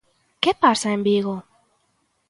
¿Que pasa en Vigo?